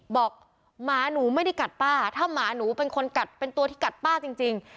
หมาหนูไม่ได้กัดป้าถ้าหมาหนูเป็นคนกัดเป็นตัวที่กัดป้าจริง